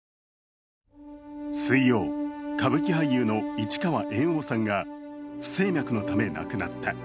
水曜、歌舞伎俳優の市川猿翁さんが不整脈のため亡くなった。